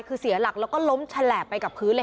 คือเสียหลักแล้วก็ล้มฉลาบไปกับพื้นเลย